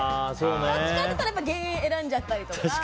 どっちかって言ったら今減塩選んじゃったりとか。